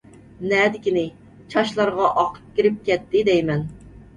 نەدىكىنى، چاچلارغا ئاق كىرىپ كەتتى دەيمەن.